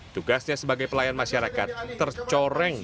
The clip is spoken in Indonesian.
tugasnya sebagai pelayan masyarakat tercoreng